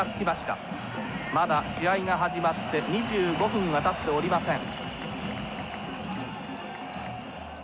まだ試合が始まって２５分はたっておりません。